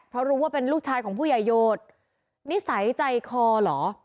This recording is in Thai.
เพราะรู้ว่าเป็นลูกชายของผู้ใหญ่โยชน์นิสัยใจคอเหรอ